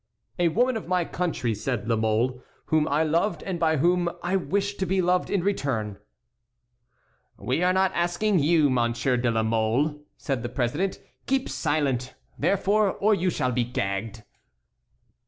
"A woman of my country," said La Mole, "whom I loved and by whom I wished to be loved in return." "We are not asking you, Monsieur de la Mole," said the president; "keep silent, therefore, or you shall be gagged."